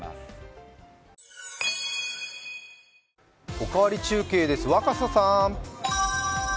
「おかわり中継」です若狭さん！